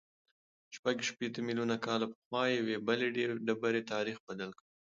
شپږ شپېته میلیونه کاله پخوا یوې بلې ډبرې تاریخ بدل کړ.